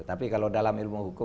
tapi kalau dalam ilmu hukum